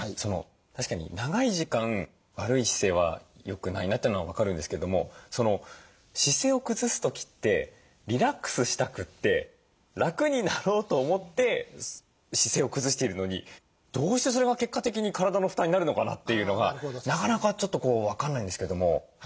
確かに長い時間悪い姿勢は良くないなっていうのは分かるんですけども姿勢を崩す時ってリラックスしたくて楽になろうと思って姿勢を崩しているのにどうしてそれが結果的に体の負担になるのかなっていうのがなかなかちょっと分かんないんですけども。